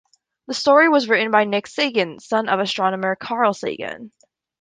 The story was written by Nick Sagan, son of astronomer Carl Sagan.